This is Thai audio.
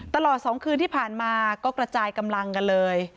ตลอด๒คืนที่ผ่านมาก็กระจายกำลังกันเลย